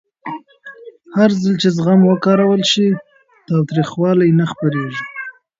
هرځل چې زغم وکارول شي، تاوتریخوالی نه خپرېږي.